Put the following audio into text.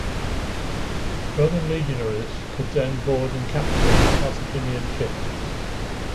Roman legionaries could then board and capture Carthaginian ships.